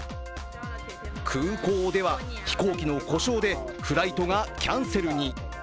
空港では、飛行機の故障でフライトがキャンセルに。